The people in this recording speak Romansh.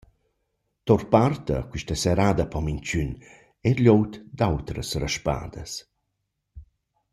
Tour part a quista sairada po minchün, eir glieud dad otras raspadas.